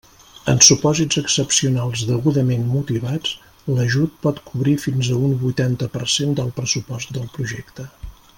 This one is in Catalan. En supòsits excepcionals degudament motivats, l'ajut pot cobrir fins a un vuitanta per cent del pressupost del projecte.